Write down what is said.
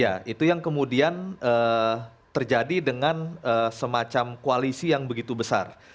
ya itu yang kemudian terjadi dengan semacam koalisi yang begitu besar